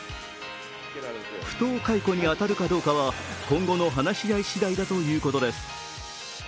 不当解雇に当たるかどうかは今後の話し合いしだいだということです。